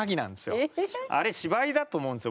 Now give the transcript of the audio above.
あれ芝居だと思うんですよ